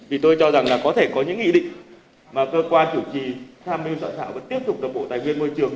vì tôi cho rằng là có thể có những nghị định mà cơ quan chủ trì tham mưu soạn thảo vẫn tiếp tục là bộ tài nguyên môi trường